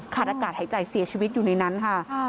อากาศหายใจเสียชีวิตอยู่ในนั้นค่ะ